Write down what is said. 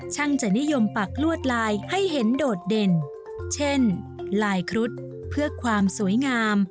จะนิยมปักลวดลายให้เห็นโดดเด่นเช่นลายครุฑเพื่อความสวยงาม